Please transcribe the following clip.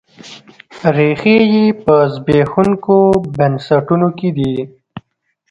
ریښې یې په زبېښونکو بنسټونو کې دي.